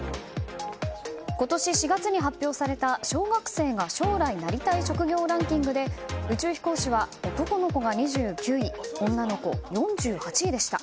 今年４月に発表された小学生が将来なりたい職業ランキングで宇宙飛行士は男の子が２９位女の子、４８位でした。